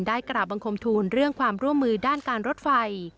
กราบบังคมทูลเรื่องความร่วมมือด้านการรถไฟ